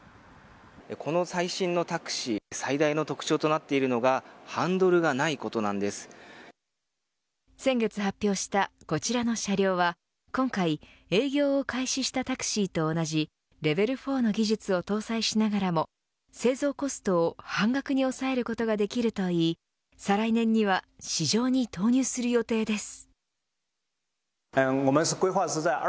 この最新のタクシー最大の特徴となっているのが先月発表したこちらの車両は今回営業を開始したタクシーと同じレベル４の技術を搭載しながらも製造コストを半額に抑えることができるといい再来年には市場に投入する予定です。